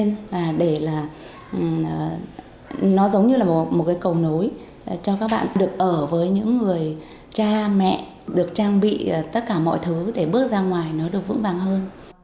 nhưng là nó giống như là một cái cầu nối cho các bạn được ở với những người cha mẹ được trang bị tất cả mọi thứ để bước ra ngoài nó được vững vàng hơn